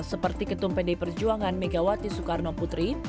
seperti ketum pdi perjuangan megawati soekarno putri